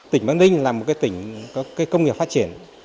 tỉnh bắc ninh là một tỉnh có công nghiệp phát triển